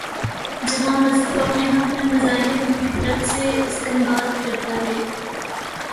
جہاں مذہب اپنے حق میں مظاہر فطرت سے استنباط کر تا ہے۔